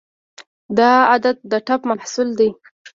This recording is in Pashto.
دا عادت د ټپ محصول دی.